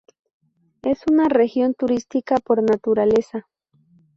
Es una región turística por naturaleza.